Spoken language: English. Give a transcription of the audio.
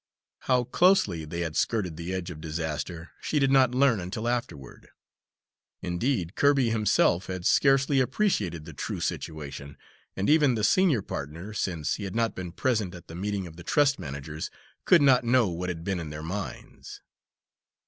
How closely they had skirted the edge of disaster she did not learn until afterward; indeed, Kirby himself had scarcely appreciated the true situation, and even the senior partner, since he had not been present at the meeting of the trust managers, could not know what had been in their minds.